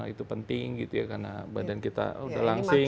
itu penting karena badan kita sudah langsing